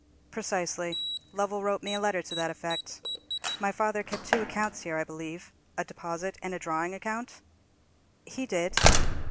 "Precisely; Lovell wrote me a letter to that effect. My father kept two accounts here, I believe—a deposit and a drawing account?" "He did."